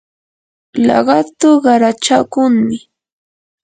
laqatu qarachakunmi.